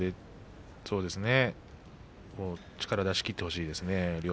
力を出し切ってほしいですね。